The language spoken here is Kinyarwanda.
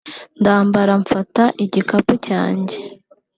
ndambara mfata igikapu cyanjye